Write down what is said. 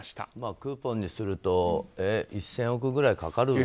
クーポンにすると１０００億ぐらいかかるんでしょ。